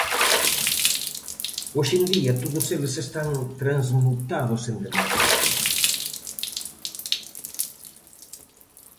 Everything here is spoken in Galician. Hoxe en día, todos eles están transmutados en demócratas.